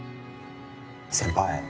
先輩